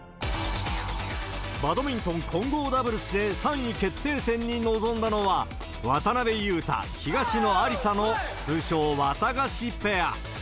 バドミントン混合ダブルスで、３位決定戦に臨んだのは、渡辺勇大、東野有紗の通称、ワタガシペア。